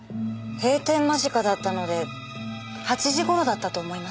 閉店間近だったので８時頃だったと思います。